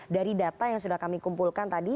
dari data yang sudah kami kumpulkan tadi